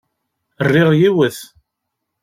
Rriɣ yiwet.